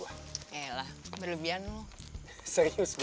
yelah berlebihan lo